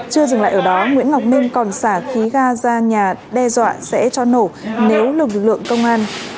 chưa dừng lại ở đó nguyễn ngọc minh còn xả khí ga ra nhà đe dọa sẽ cho nổ nếu lực lượng công an